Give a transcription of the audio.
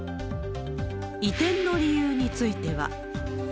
移転の理由については。